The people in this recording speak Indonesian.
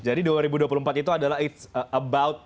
jadi dua ribu dua puluh empat itu adalah tentang